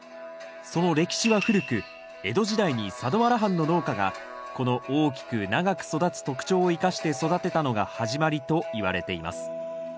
その歴史は古く江戸時代に佐土原藩の農家がこの大きく長く育つ特徴を生かして育てたのが始まりといわれています。